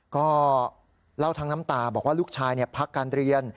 ก็เล่าทั้งน้ำตาบอกว่าลูกชายพักการเรียน